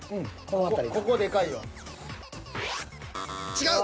違う。